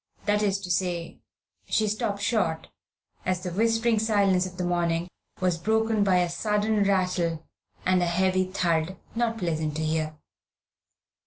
That is to say, she stopped short, as the whispering silence of the morning was broken by a sudden rattle and a heavy thud, not pleasant to hear.